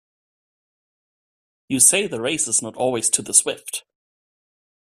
You say the race is not always to the swift.